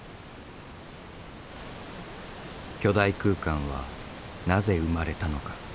巨大空間はなぜ生まれたのか。